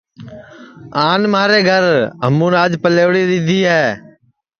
آن مھارے گھر ہمُون آج پلیوڑی ریدھی ہے